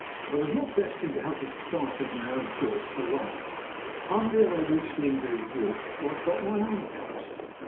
But I was not destined to have the society of my own thoughts for long. Hardly had I reached the Invalids' Walk before I felt my arm touched.